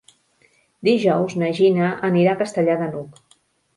Dijous na Gina anirà a Castellar de n'Hug.